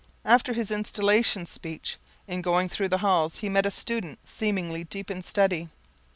After his installation speech, in going through the halls, he met a student seemingly deep in study.